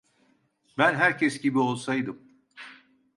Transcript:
Ben herkes gibi olsaydım…